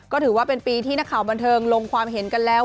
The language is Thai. ก็ถือว่าเป็นปีที่นักข่าวบันเทิงลงความเห็นกันแล้ว